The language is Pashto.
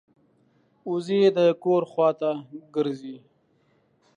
وزې د کور خوا ته ګرځي